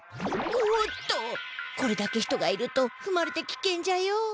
おっとこれだけ人がいるとふまれてきけんじゃよ